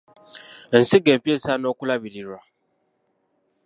Ensigo empya esaana okulabirirwa.